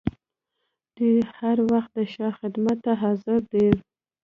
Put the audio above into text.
دوی هر وخت د شاه خدمت ته حاضر دي.